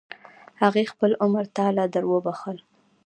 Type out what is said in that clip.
هغې خپل عمر تا له دروبخل.